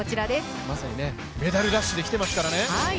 まさにメダルラッシュできていますからね。